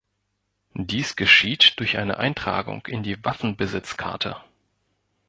Dies geschieht durch eine Eintragung in die Waffenbesitzkarte.